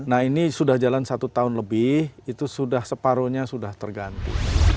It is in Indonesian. nah ini sudah jalan satu tahun lebih itu sudah separuhnya sudah terganggu